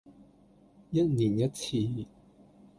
一年一次